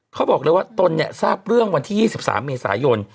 เขาบอกเลยว่าตนเนี่ยทราบเรื่องวันที่๒๓เมษายน